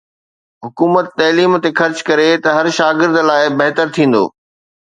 حڪومت تعليم تي خرچ ڪري ته هر شاگرد لاءِ بهتر ٿيندو